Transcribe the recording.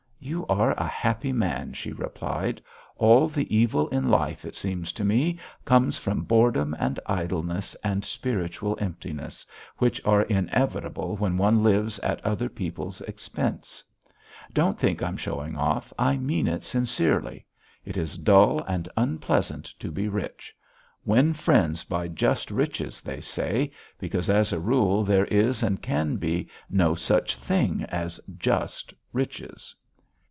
"You are a happy man," she replied. "All the evil in life, it seems to me, comes from boredom and idleness, and spiritual emptiness, which are inevitable when one lives at other people's expense. Don't think I'm showing off. I mean it sincerely. It is dull and unpleasant to be rich. Win friends by just riches, they say, because as a rule there is and can be no such thing as just riches."